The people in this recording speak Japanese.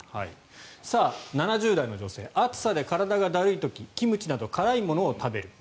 ７０代の女性暑さで体がだるい時キムチなど辛いものを食べる。